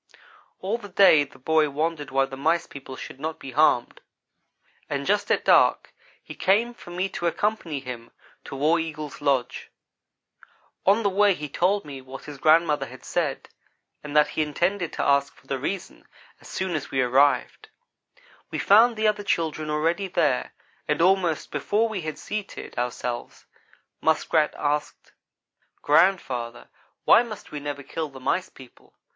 All the day the boy wondered why the Mice people should not be harmed; and just at dark he came for me to accompany him to War Eagle's lodge. On the way he told me what his grandmother had said, and that he intended to ask for the reason, as soon as we arrived. We found the other children already there, and almost before we had seated ourselves, Muskrat asked: "Grandfather, why must we never kill the Mice people?